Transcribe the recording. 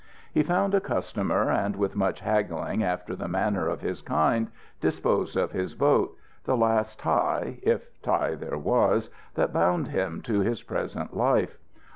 He found a customer, and, with much haggling after the manner of his kind, disposed of his boat, the last tie, if tie there was, that bound him to his present life.